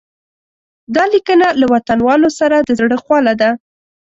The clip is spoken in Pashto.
دا لیکنه له وطنوالو سره د زړه خواله ده.